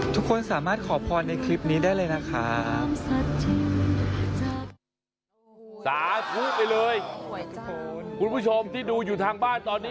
ทุกคนสามารถขอพรในคลิปนี้ได้เลยนะครับ